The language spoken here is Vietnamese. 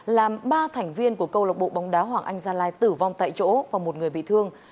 làm ba thành viên của câu lộc bộ bóng đá hoàng anh gia lai tử vong tại chỗ và một người bị thương